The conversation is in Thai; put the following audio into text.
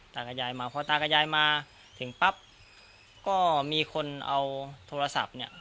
ตากับยายมาพอตากับยายมาถึงปั๊บก็มีคนเอาโทรศัพท์เนี่ย